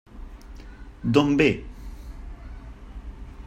D'on ve?